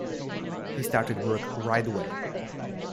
He started work right away.